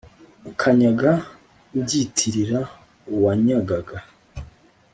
ukanyaga ubyitirira uwanyagaga